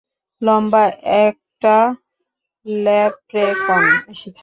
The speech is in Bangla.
লম্বা একটা ল্যাপ্রেকন এসেছে।